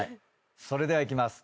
それではいきます。